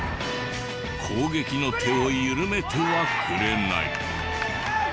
攻撃の手を緩めてはくれない。